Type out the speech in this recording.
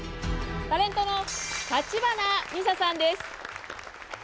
タレントの橘美沙さんです。